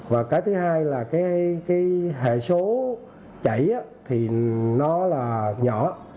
và cái thứ hai là cái hệ số chảy thì nó là nhỏ